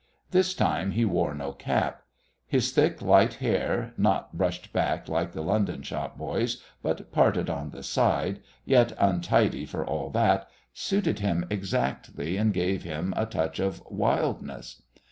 This time he wore no cap. His thick light hair, not brushed back like the London shop boys, but parted on the side, yet untidy for all that, suited him exactly and gave him a touch of wildness.